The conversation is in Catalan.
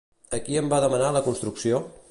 A qui en van demanar la construcció?